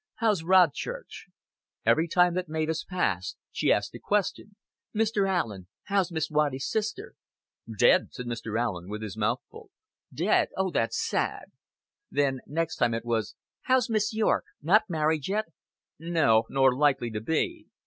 How's Rodchurch?" Every time that Mavis passed, she asked a question. "Mr. Allen, how's Miss Waddy's sister?" "Dead," said Allen, with his mouth full. "Dead. Oh, that's sad!" Then next time it was: "How's Miss Yorke? Not married yet?" "No, nor likely to be."